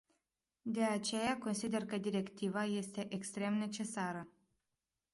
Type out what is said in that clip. De aceea consider că directiva este extrem necesară.